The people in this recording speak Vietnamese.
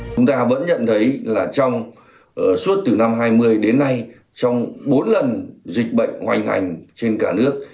chúng ta vẫn nhận thấy là trong suốt từ năm hai mươi đến nay trong bốn lần dịch bệnh hoành hành trên cả nước